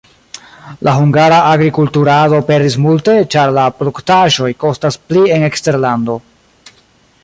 La hungara agrikulturado perdis multe, ĉar la produktaĵoj kostas pli en eksterlando.